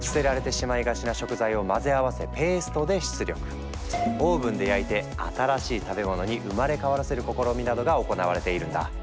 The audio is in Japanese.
例えばオーブンで焼いて新しい食べ物に生まれ変わらせる試みなどが行われているんだ。